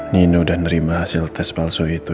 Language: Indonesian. nino dan nerima hasil tes palsu itu